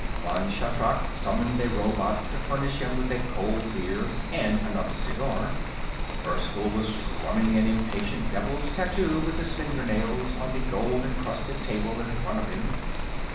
Vann Shatrak summoned a robot to furnish him with a cold beer and another cigar. Erskyll was drumming an impatient devil's tattoo with his fingernails on the gold encrusted table in front of him.